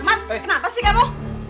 teman kenapa sih kamu